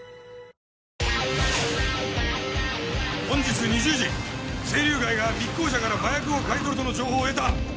本日２０時青竜会が密航者から麻薬を買い取るとの情報を得た。